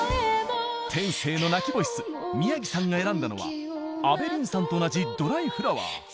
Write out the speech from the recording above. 天性の泣きボイス宮城さんが選んだのは阿部凜さんと同じ『ドライフラワー』。